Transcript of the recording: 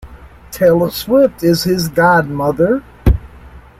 Taylor Swift is his godmother.